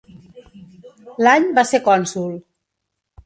L'any va ser cònsol.